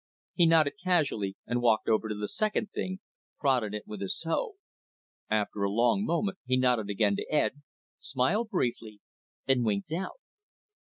He nodded casually and walked over to the second thing, prodded it with his toe. After a long moment he nodded again to Ed, smiled briefly, and winked out.